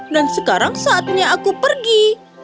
dan sekarang saatnya aku pergi